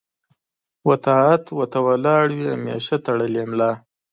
و طاعت و ته ولاړ وي همېشه تړلې ملا